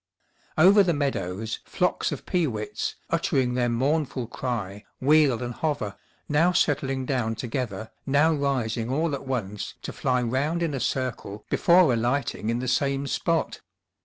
Over the meadows, flocks of peewits, uttering their mournful cry, wheel and hover, now settling down together, now rising all at once to fly round in a circle before alighting in the same spot.